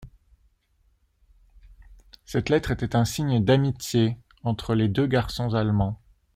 Cette lettre était un signe d’amitié entre les deux garçons allemands.